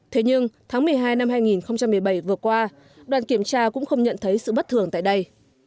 thế nhưng tháng một mươi hai năm hai nghìn một mươi bảy vừa qua đoàn kiểm tra cũng không nhận thấy sự bất thường tại đây